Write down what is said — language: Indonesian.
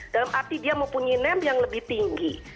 dalam arti dia mau punya name yang lebih tinggi